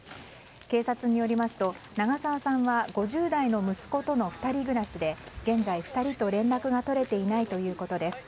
警察によりますと長澤さんは５０代の息子との２人暮らしで現在、２人と連絡が取れていないということです。